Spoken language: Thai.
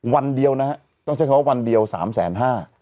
วันเดียวนะต้องใช้คำว่าวันเดียว๓๕๐๐๐๐๐บาท